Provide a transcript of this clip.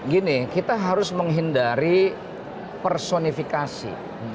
gini kita harus menghindari personifikasi